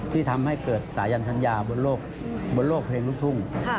ที่ทำให้เกิดสายันสัญญาบนโลกเพลงลูกทุ่ง